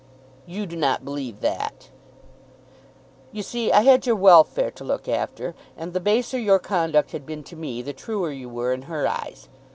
"You do not believe that." "You see I had your welfare to look after; and the baser your conduct had been to me, the truer you were in her eyes.